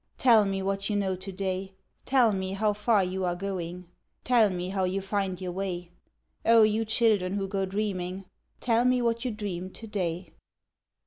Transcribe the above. Tell me what you know to day; Tell me how far you are going, Tell me how you find your way. O you children who go dreaming, Tell me what you dream to day."